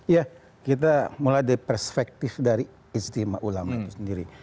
ya kita mulai dari perspektif dari ijtima ulama itu sendiri